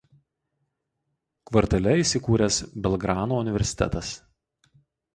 Kvartale įsikūręs Belgrano universitetas.